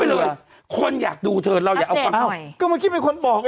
อันนี้คือโคโยตี้